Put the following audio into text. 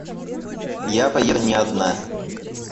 Я поеду не одна.